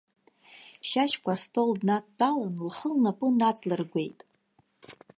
Шьашькәа астол днадтәалан, лхы лнапы наҵлыргәеит.